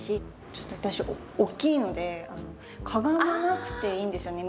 ちょっと私大きいのでかがまなくていいんですよね。